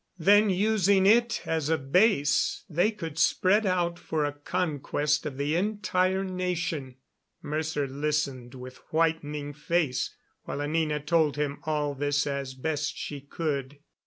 Then, using it as a base, they could spread out for a conquest of the entire nation. Mercer listened with whitening face while Anina told him all this as best she could.